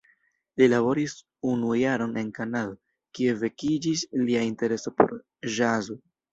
Li laboris unu jaron en Kanado, kie vekiĝis lia intereso por ĵazo.